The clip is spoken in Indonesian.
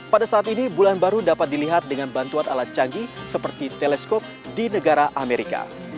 pada saat ini bulan baru dapat dilihat dengan bantuan alat canggih seperti teleskop di negara amerika